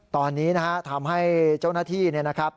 ตอนนี้นะครับถามให้เจ้าหน้าที่นะครับ